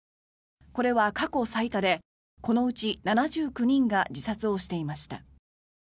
これは過去最多でこのうち７９人が自殺をしていました。